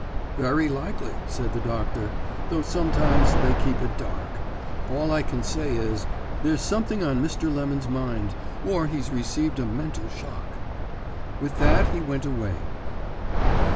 "'Very likely,' said the doctor, 'though sometimes they keep it dark. All I can say is, there's something on Mr. Lemon's mind, or he's received a mental shock.' "With that he went away.